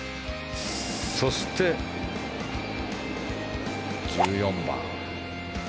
そして、１４番。